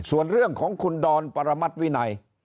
ส่วนเรื่องของคุณดอนปรมัติวินัย